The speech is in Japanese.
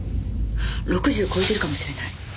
６０を超えてるかもしれない。